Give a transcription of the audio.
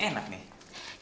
ya udah yuk